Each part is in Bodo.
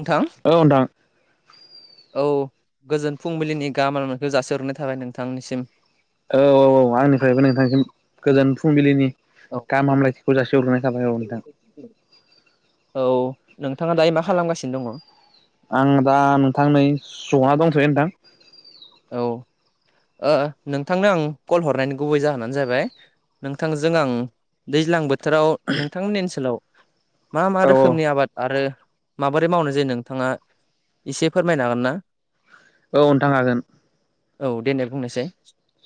नोंथां ओ नोथां औ गोजोन फुंबिलिनि गाहाम हामलायनायखौ जासिहरग्रोनाय थाबाय नोंथांनिसिम औ औ औ आंनिफ्रायबो नोंथांनिसिम गोजोन फुंबिलिनि औ गाहाम हामलायथिखौ जासिहरग्रोनाय थाबाय औ नोंथां औ नोंथाङा दायो मा खालामगासिनो दङ आं दा नोंथां नै जना दं नोंथां औ ओ नोंथांनो आं कल हरनायनि गुबै जाहोनानो जाबाय नोंथांजों आं दैज्लां बोथोराव नोंथांमोननि ओनसोलाव मा मा औ रोखोमनि आबाद आरो माबोरै मावनाय जायो नोंथाङा एसे फोरमायनो हागोन ना औ नोथां हागोन औ देनाय बुंनायसाय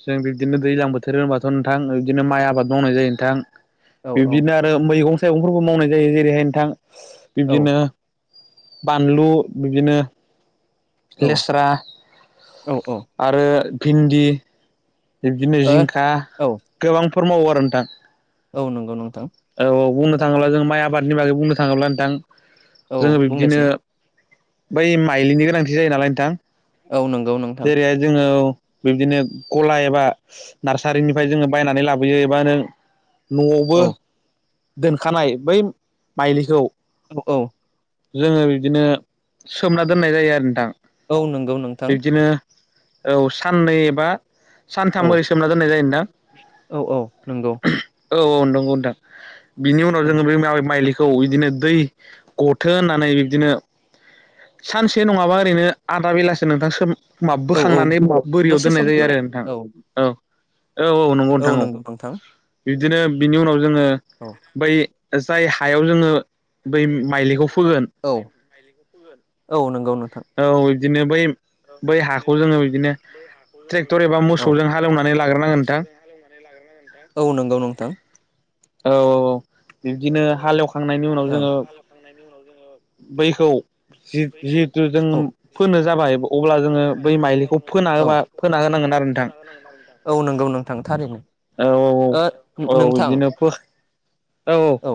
जों बिदिनो दैज्लां बोथोर होनबाथ' नोंथां बिदिनो माइ आबाद मावनाय जायो नोंथां औ औ बिब्दिनो आरो मैगं थाइगंफोरबो मावनाय जायो जेरैहाय नोंथां औ बिब्दिनो बानलु बिदिनो औ लेस्रा औ औ आरो भिन्दि बिब्दिनो ओ जिंखा औ गोबांफोर मावो आरो नोंथां औ नंगौ नोंथां औ औ बुंनो थाङोब्ला जों माइ आबादनि बागै बुंनो थाङोब्ला नोंथां औ जोङो बिब्दिनो बुंनायसै बै माइलिनि गोनांथि जायो नालाय नोंथां औ नंगौ नोंथां जेरैहाय जोङो बिदिनो गला एबा नार्सारिनिफ्राय जोङो बायनानै लाबोयो एबा नों न'आवबो औ दोनखानाय बै माइलिखौ औ औ जोङो बिदिनो सोमना दोननाय जायो आरो नोंथां औ नंगौ नोंथां बिब्दिनो औ साननै एबा सानथाम औ ओरै सोमना दोननाय जायो नोंथां औ औ नंगौ औ नंगौ नोंथां बिनि उनाव औ जोङो बे मा माइलिखौ बिदिनो दै गथो होननानै बिब्दिनो सानसे नङाबा ओरैनो आधा बेलासो नोंथां माब औ औ बोखांनानै बोरियाव दसे दोननाय समनि जायो थाखाय आरो नोंथां औ औ औ नोंगौ नोंथां बिदिनो बिनि उनाव जोङो औ बै जाय हायाव जोङो बै माइलिगाव फोगोन औ औ नोंगौ नोंगौ औ बिदिनो बै औ बिदिनो हाखौ बै जोङो बिदिनो बै हाखौ जोङो ट्रेक्टर एबा बिदिनो औ मोसौजों हालेवनानै ट्रेक्टर एबा लाग्रोनांगोन नोंथां मोसौजों हालौनानै लाग्रोनो नोंथां औ नंगौ नोंथां औ औ औ बिब्दिनो हालेवखांनायनि उनाव औ जोङो बैखौ जि जि जों फोनो जाबाय अब्ला जोङो बै माइलिखौ फोना होबा फोना होनांगोन आरो नोंथां औ नंगौ नोंथां थारैनो औ औ ओ औ औ नोंथां बिदिनो फो औ औ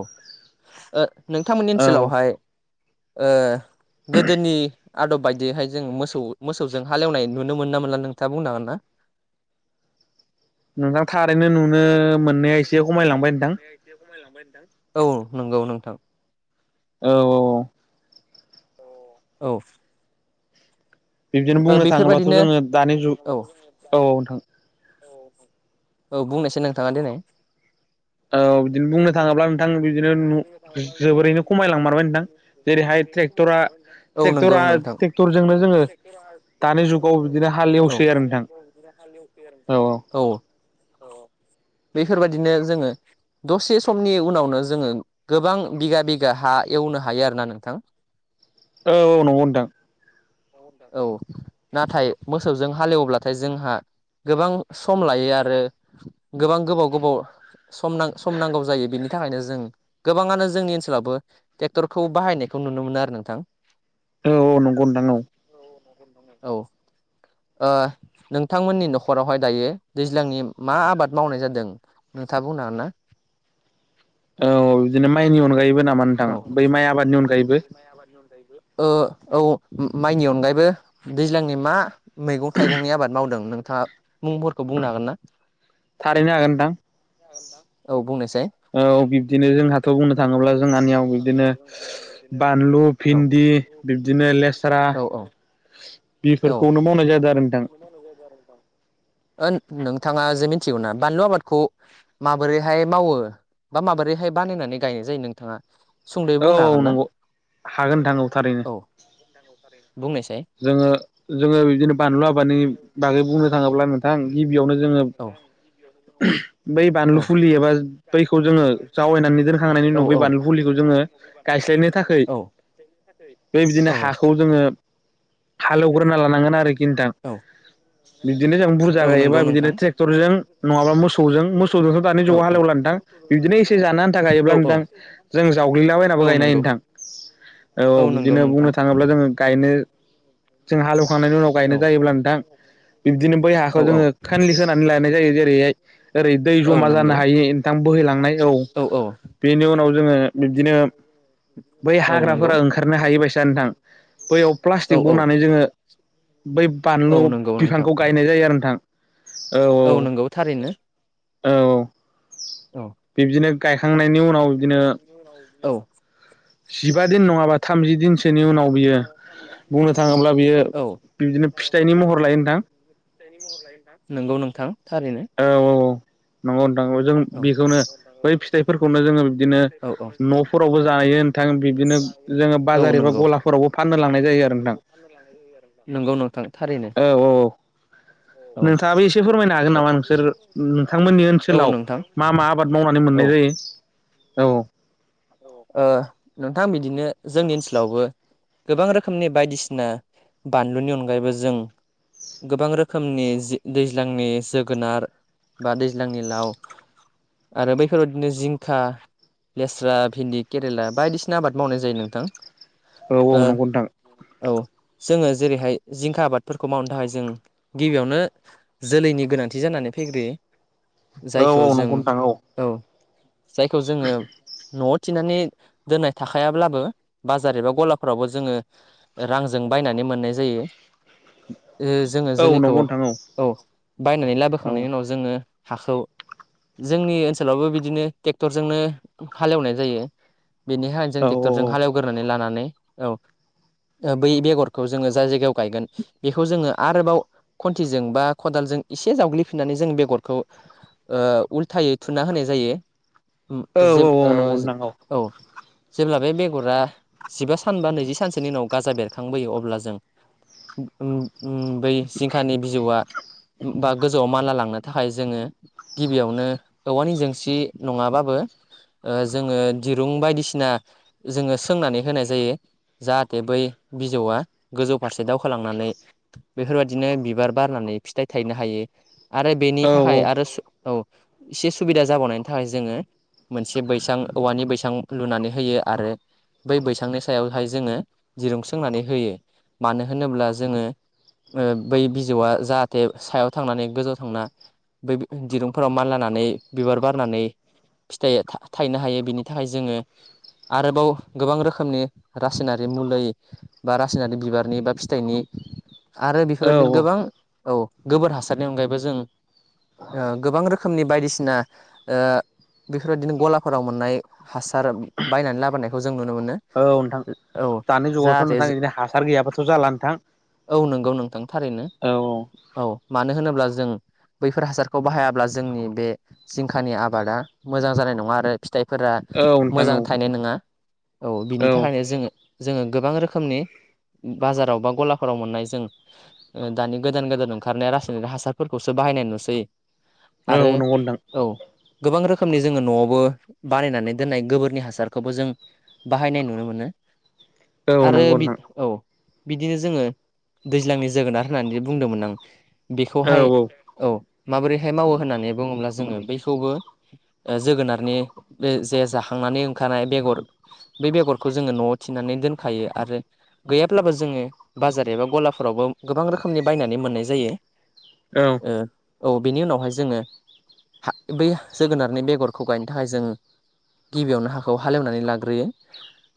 ओ नोंथांमोननि औ ओनसोलावहाय ओ गोदोनि आदब बायदियैहाय जों मोसौ मोसौजों हालेवनाय नुनो मोनो ना मोनला नोंथाङा बुंनो हागोन ना [inaudible] नोंथां थारैनो नुनो मोननाया एसे खमायलांबाय नोंथां। औ नंगौ नोंथां औ औ औ बिबदिनो ओ बुंनो थाङोब्लाथ' बेफोरबादिनो जोङो दानि जुग औ नोंथां औ औ बुंनायसै नोंथाङा देनाय औ बिदिनो बुंनो थाङोब्ला नोंथां बिदिनो बुंनो थाङोब्ला नोंथां जोबोरैनो खमायलांमारबाय नोंथां जेरैहाय ट्रेक्टरा औ नंगौ ट्रेक्टरा औ नोंथां ट्रेक्टरजोंनो जोङो दानि जुगाव बिदिनो हाल एवसै आरो नोंथां [unintelligible] औ औ बैफोरबाय दिनो जोङो दसे समनि उनावनो जोङो गोबां बिगा बिगा हा एवनो हायो आरोना नोंथां। औ औ नंगौ नोंथां औ नाथाय मोसौजों हालेवब्लाथाय जोंहा गोबां सम लायो आरो गोबां गोबाव गोबाव सम नां सम नांगौ जायो बिनि थाखायनो जों गोबाङानो जोंनि ओनसोलावबो ट्रेक्टरखौ बाहायनायखौ नुनो मोनो आरो नोंथां। औ औ नंगौ नोंथां औ औ ओ नोंथांमोननि न'खरावहाय दायो दैज्लांनि मा आबाद मावनाय जादों। नोंथाङा बुंनो हागोनना। औ बिदिनो माइनि अनगायैबो नामा नोंथां औ बै माइ आबादनि अनगायैबो। ओ औ माइनि अनगायैबो दैज्लांनि मा मैगं-थाइगंनि आबाद मावदों नों था मुंफोरखौ बुंनो हागोन ना। थारैनो हागोन नोंथां। औ बुंनोसै। औ बिब्दिनो जोंहाथ' बुंनो थाङोब्ला जोंहानियाव बिब्दिनो बानलु औ भिन्दि बिब्दिनो लेस्रा। औ औ औ बेफोरखौनो मावनाय जादों आरो। नोंथां [unintelligible] ओ नोंथाङा जे मिथिगौ ना बानलु आबादखौ माबोरैहाय मावो? बा माबोरैहाय बानायनानै गायनाय जायो नोंथाङा। सुंद'यै औ बुंनो औ हागोन ना? नंगौ हागोन नोंथां औ थारैनो। बुंनायसाय जोङो जोङो बिदिनो बानलु बानलु आबादनि बागै बुंनो थाङोबा नोंथां गिबियावनो जोंयो औ बै बानलु औ फुलि एबा बैखौ जोङो जावायनानै दोनखांनायनि उनाव बै बानलु फुलिखौ जोङो गायस्लायनो थाखै बे बिदिनो हाखौ जोङो हालौग्रोना लानांगोन आरोखि नोंथां। औ। बिदिनो जों बुरजा गायोबा बिदिनो ट्रेक्टरजों नङाब्ला मोसौजों मोसौजोंथ' दानि जुगाव हालेवलानो। नोंथां बिदिनो एसे जानो आन्था गायोब्ला नोंथां जों जावग्लिलाबायनाबो औ गायनो हायो नंगौ नोंथां। औ नंगौ बिदिनो नोंथां बुंनो थाङोब्ला जोङो गायनो जों हालौ खांनायनि उनाव औ गायनाय जायोब्ला नोंथां बिब्दिनो बै हाखौ औ औ जोङो कानलि खोनानै ला लानाय जायो जेरैहाय ओरै दै औ जमा जानो नंगौ हायो नोंथां बोहैलांनाय औ बेनि उनाव जोङो बिबदिनो बै औ नंगौ हाग्राफोरा ओंखारनो हायो बायसा नोंथां बै औ प्लास्टिक औ बनानै जोङो बै बानलु औ नंगौ नोंथां बिफांखौ गायनाय जायो आरो नोंथां। औ नंगौ थारैनो। औ औ बिब्दिनो गायखांनायनि उनाव बिदिनो औ जिबा दिन नङाबा थामजि दिनसो [unintelligible] औ बियो बुंनो थाङोब्ला बिदिनो फिथाइनि बेयो महर लायो नोंथां [unintelligible] नोंगौ नों औ औ औ। नंगौ नोंथां जों औ बेखौनो बै फिथाइफोरखौनो जोङो बिदिनो न'फोरावबो जानाय नोंथां बिदिनो जोङो बाजार एबा गला फोरावबो फाननो लांनाय जायो आरो नोंथां आरो नोंथां। औ नोंथाङाबो औ औ औ। नोंथाङाबो एसे फोरमायनो हागोन नामा नोंसोर नोंथांमोननि ओनसोलाव हागोन मा मा आबाद मावनानै मोननाय जायो औ। ओ नोंथां बिदिनो जोंनि ओनसोलावबो गोबां रोखोमनि बायदिसिना बानलुनि अनगायैबो जों गोबां रोखोमनि जि दैज्लांनि जोगोनार। बा दैज्लांनि लाव आरो बैफोराव बिदिनो जिंखा लेस्रा। भिन्दि केरेला बायदिसिना आबाद मावनाय जायो नोंथां। औ औ ओ नंगौ नोंथां। औ जोङो जेरैहाय जिंखा आबादफोरखौ मावनो थाखाय जों गिबियावनो जोलैनि गोनांथि जानानै फैग्रोयो औ जायखौ औ जों नंगौ नोंथां औ। जायखौ जोङो न'आव थिनानै दोननाय थाखायाब्लाबो बाजार एबा गलाफोरावबो जोङो रांजों बा बायनानै मोननाय जायो। ओ जोङो औ औ जोलैखौ नंगौ नोंथां औ बायनानै औ लाबोखांनायनि उनाव जोङो हाखौ जोंनि ओनसोलावबो बिदिनो ट्रेक्टरजोंनो हाल एवनाय जायो बेनि थाखाय जों औ ट्रेक्टरजों हालेवग्रोनानै लानानै औ। ओ बै बेगरखौ जोङो जाय जायगायाव गायगोन बेखौ जोङो आरोबाव खन्थिजों बा खदाल जों इसे जावग्लिफिन्नानै जों बेगरखौ ओ उल्थायै थुना होनाय जायो। उम औ जेब औ नंगौ नोंथां औ। जेब्ला बे बेगरा जिबा सान बा नैजि सानसोनि उनाव गाजा बेरखांबोयो अब्ला जों उम उम बै जिंखानि बिजौआ बा गोजौआव मानला लांनो थाखाय जोङो गिबियावनो औवानि जेंसि नङा बाबो ओ जोङो दिरुं बायदिसिना जोङो सोंनानै होनाय जायो। जाहाथे बै बिजौआ गोजौ फारसे दावखोलांनानै बेफोरबायदिनो बिबार बारनानै फिथाइ थायनो हायो। आरो बेनि औ थाखाय सु आरो औ एसे सुबिदा जाबावनायनि थाखाय जोङो मोनसे बैसां औवानि बैसां लुनानै होयो आरो बै बैसांनि सायावहाय जोङो दिरुंसोंनानै होयो मानो होनोब्ला जोङो ओ बै बिजौआ जाहाथे सायाव थांनानै गोजौआव थांना बै दिरुंफोराव मानलानानै बिबार बारनानै फिथाइया था थायनो हायो बेनि थाखाय जोङो आरोबाव गोबां रोखोमनि रासायनारि मुलै बा रासायनारि बिबारनि बा फिथाइनि [inaudible] आरो औ बेफोरबायदिनो गोबां औ औ गोबोर हासारनि अनगायैबो जों ओ गोबां रोख खोमनि बायदिसिना ओ बेफोरबायदिनो गलाफोराव मोननाय हासार बायनानै लाबोनायखौ जों नुनो मोनो औ औ जाहाथे जो सार गैयाबाथ' जा औ नंगौ नोंथां थारैनो औ औ मानो होनोब्ला जों बैफोर हासारखौ बाहायाब्ला जोंनि बे जिंखानि आबादा मोजां जानाय नङा आरो फिथाइफोरा औ नोंथां मोजां औ थायनाय नङा औ बिनि थाखायनो जोङो जोङो गोबां रोखोमनि बाजाराव बा गलाफोराव मोननाय जों दानि गोदान गोदान ओंखारनाय रासायनिक हासारफोरखौसो बा बाहायनाय नुसै औ आरो नंगौ नोंथां औ गोबां रो खोमनि जोङो न'आवबो बानायनानै दोननाय गोबोरनि हासारखौबो जों बाहायनाय नुनो मोनो। औ आरो नंगौ बि नोंथां औ बिदिनो जोङो दैज्लांनि जोगोनार होननानै बुंदोंमोन आं औ बेखौहाय औ माबोरैहाय मावो होननानै बुङोब्ला जोङो बैखौबो ओ जोगोनारनि बे जे जाखांनानै ओंखारनाय बेगर बे बेगरखौ जोङो न'आव थिनानै दोनखायो आरो गैयाब्लाबो जोङो बाजार एबा गलाफोरावबो गोबां रोखोमनि बायनानै मोननाय जायो। औ ओ औ बेनि उनावहाय जोङो हा बै जोगोनारनि बेगरखौ गायनो थाखाय जोङो गिबियावनो हाखौ हाखौ हालेवनानै लाग्रोयो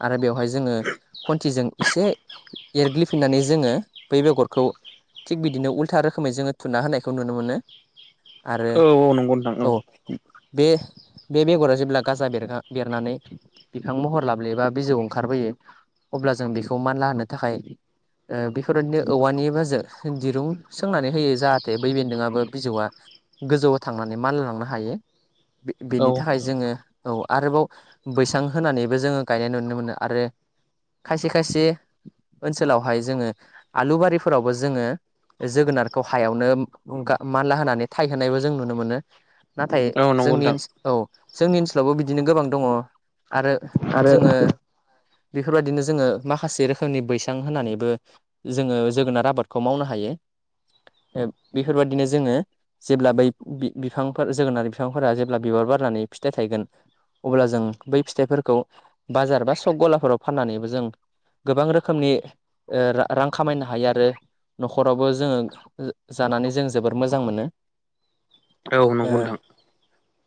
आरो बेवहाय जोङो खुन्थिजों इसे एरग्लिफिननानै जोङो बै बेगरखौ थिग बिदिनो उल्था रोखोमै जोङो थुना होनायखौ नुनो मोनो। आरो औ औ नंगौ नोंथां औ बे-बे बेगरा जेब्ला गाजा बेरगा-बेरनानै बिफां महर लाब्लेबा बिजौ ओंखारबोयो। अब्ला जों बेखौ मानला होनो थाखाय ओ बेफोरबादिनो औवानिबा जों दिरुं सोंनानै होयो जाहाथे बै बेन्दोंआबो बिजौआ गोजौआव थांनानै मान लांनो हायो औ बेनि थाखाय जोङो औ आरोबाव बैसां होनानैबो जोङो गायनाय नुनो मोनो आरो खायसे खायसे ओनसोलावहाय जोङो आलुुबारिफोरावबो जोङो जोगोनारखौ हायावनो गा-मानला होनानै थायहोनायबो जों नुनो मोनो। नाथाय औ औ नंगौ जोंनि नोंथां ओनसो औ जोंनि ओनसोलावबो बिदिनो गोबां दङ। आरो जोङो बेफोरबादिनो जोङो माखासे रोखोमनि बैसां होनानैबो जोङो जोगोनार आबादखौ मावनो हायो। ओ बेफोरबादिनो जोङो जेब्ला बै बि-बिफांफोर जोगोनार बिफांफोरा जेब्ला बिबार बारो बारनानै फिथाइ थायगोन अब्ला जों बै फिथाइफोरखौ बाजार बा सक गलाफोराव फाननानैबो जों गोबां रोखोमनि ओ रा-रां खामायनो हायो आरो न'खरावबो जोङो जानानै जों जोबोर मोजां मोनो। औ नंगौ नोंथां।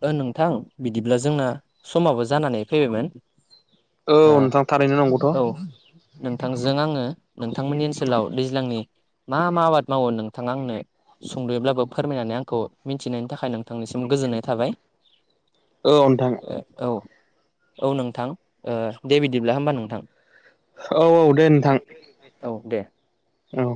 ओ नोंथां बिदिब्ला जोंना समाबो जानानै फैबायमोन औ ओ नोंथां थारैनो नंगौथ' औ नोंथां जों आङो नोंथांमोननि ओनसोलाव दैज्लांनि मा मा आबाद मावो नोंथाङा आंनो सुंद'यैब्लाबो फोरमायनानै आंखौ मिनथिहोनायनि थाखाय नोंथांनिसिम गोजोननाय थाबाय। औ नोंथां ओ औ औ नोंथां ओ दे बिदिब्ला होमबा नोंथां। औ औ दे नोंथां। औ दे औ